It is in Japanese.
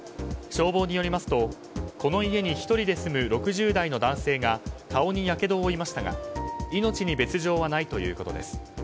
消防によりますとこの家に１人で住む６０代の男性が顔にやけどを負いましたが命に別条はないということです。